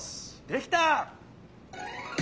できた！